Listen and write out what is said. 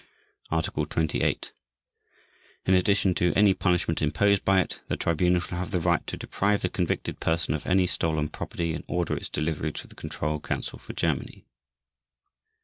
Article 28. In addition to any punishment imposed by it, the Tribunal shall have the right to deprive the convicted person of any stolen property and order its delivery to the Control Council for Germany.